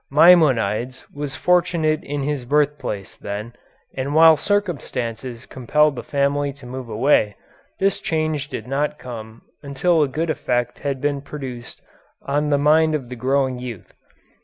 Maimonides was fortunate in his birthplace, then, and while circumstances compelled the family to move away, this change did not come until a good effect had been produced on the mind of the growing youth.